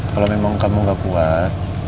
kalau memang kamu gak kuat